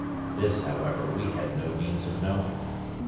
This, however, we had no means of knowing.